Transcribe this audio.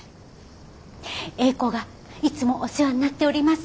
詠子がいつもお世話になっております。